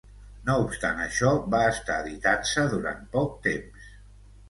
No obstant això va estar editant-se durant poc temps.